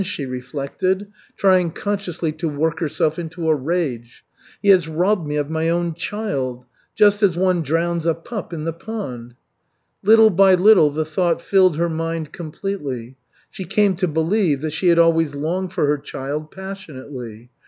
she reflected, trying consciously to work herself into a rage. "He has robbed me of my own child. Just as one drowns a pup in the pond." Little by little the thought filled her mind completely. She came to believe that she had always longed for her child passionately.